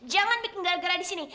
jangan gara gara di sini